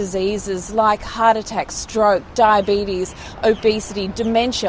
seperti penyakit keras stroke diabetes obesitas demensia